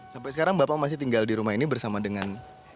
sampai sekarang bapak masih tinggal di rumah ini bersama dengan